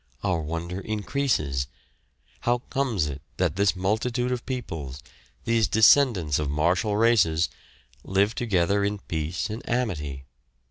Our wonder increases. How comes it that this multitude of peoples, these descendants of martial races, live together in peace and amity?